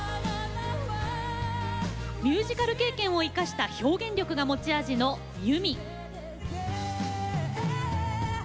ミュージカル経験を生かした表現力が持ち味の結海。